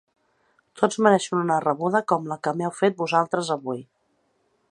Tots mereixen una rebuda com la que m’heu fet vosaltres avui.